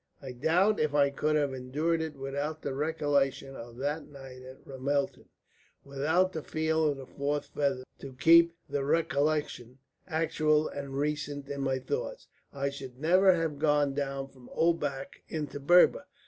I doubt if I could have endured it without the recollection of that night at Ramelton, without the feel of the fourth feather to keep the recollection actual and recent in my thoughts. I should never have gone down from Obak into Berber.